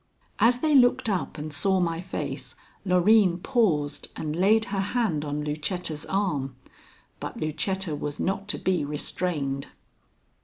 As they looked up and saw my face, Loreen paused and laid her hand on Lucetta's arm. But Lucetta was not to be restrained.